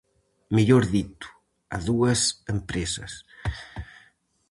Mellor dito: a dúas empresas.